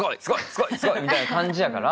すごい！すごい！」みたいな感じやから。